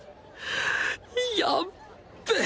やっべえ！